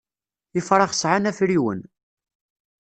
Ifrax sɛan afriwen.